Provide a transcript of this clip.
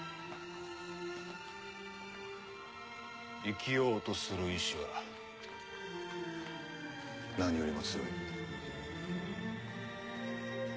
生きようとする意志は何よりも強い。